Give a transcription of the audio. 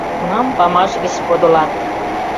Кунам памаш гыч подылат.